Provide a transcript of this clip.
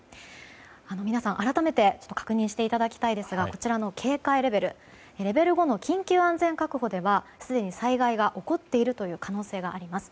皆さん、改めて確認していただきたいんですがこちらの警戒レベルレベル５の緊急安全確保ではすでに災害が起こっている可能性があります。